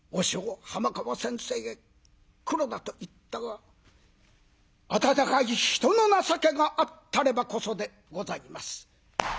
黒田といった温かい人の情けがあったればこそでございます。